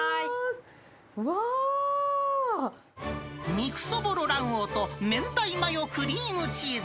肉そぼろ卵黄と明太マヨクリームチーズ。